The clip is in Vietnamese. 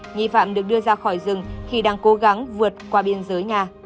nghi phạm được đưa ra khỏi rừng khi đang cố gắng vượt qua biên giới nga